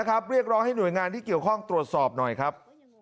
เรียกร้องให้หน่วยงานที่เกี่ยวข้องตรวจสอบหน่อยครับ